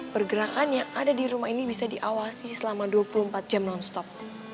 pergerakan yang ada di rumah ini bisa diawasi selama dua puluh empat jam non stop